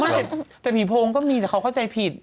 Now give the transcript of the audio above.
แต่ผีโพงก็มีแต่เขาเข้าใจผิด